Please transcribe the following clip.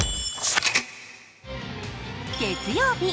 月曜日